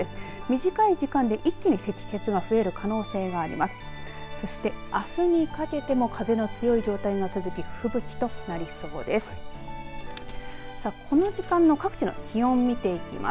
短い時間で一気に積雪が増える可能性があります。